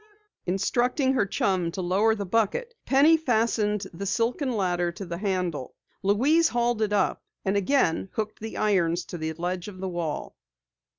Instructing her chum to lower the bucket, Penny fastened the silken ladder to the handle. Louise hauled it up, and again hooked the irons to the ledge of the well.